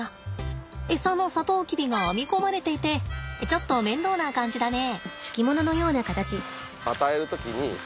エサのサトウキビが編み込まれていてちょっと面倒な感じだね。